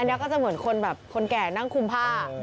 อันนี้ก็จะเหมือนคนแบบคนแก่นั่งคุมผ้า